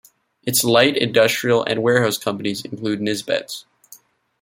Its light industrial and warehouse companies include Nisbets.